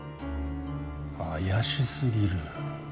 怪し過ぎる。